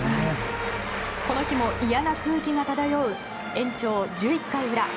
この日も嫌な空気が漂う延長１１回裏。